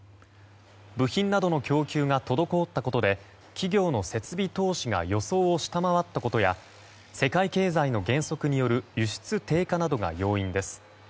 部品などの供給が滞ったことで企業の設備投資が予想を下回ったことや世界経済の減速による輸出低下などが要因です。